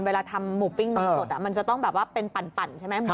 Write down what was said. เวลาทำหมูปิ้งหมูตดมันจะต้องเป็นปั่นใช่ไหม